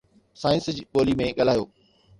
science جي ٻولي ۾ ڳالهايو